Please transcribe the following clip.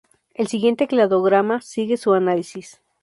El siguiente cladograma sigue su análisis.